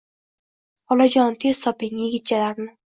Xolajon, tez toping yigitchalarni